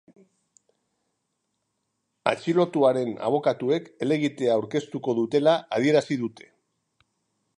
Atxilotuaren abokatuek helegitea aurkeztuko dutela adierazi dute.